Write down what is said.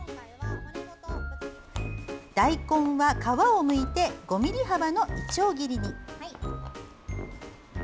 大根は皮をむいて５ｍｍ幅のいちょう切りに。